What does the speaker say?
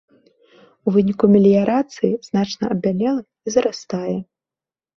У выніку меліярацыі значна абмялела і зарастае.